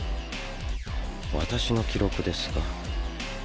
私の記録ですか？